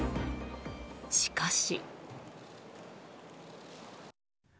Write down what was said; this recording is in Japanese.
しかし。